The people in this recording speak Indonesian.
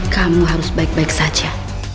kamu harus baik baik saja